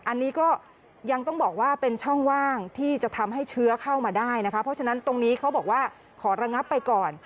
อันนี้ก็ยังต้องบอกว่าเป็นช่องว่างที่จะทำให้เชื้อเข้ามาได้นะคะเพราะฉะนั้นตรงนี้เขาบอกว่าขอระงับไปก่อน